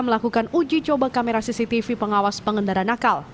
melakukan uji coba kamera cctv pengawas pengendara nakal